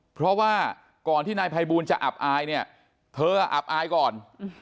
เพราะว่าก่อนที่นายภัยบูลจะอับอายเนี่ยเธออับอายก่อน